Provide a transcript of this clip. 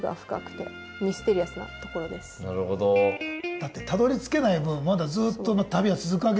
だってたどりつけない分まだずっと旅は続くわけですもんね